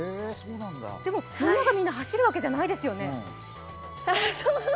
でも、みんながみんな走るわけじゃないですよね。